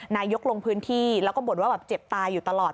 นายกลงพื้นที่แล้วก็บ่นว่าแบบเจ็บตายอยู่ตลอด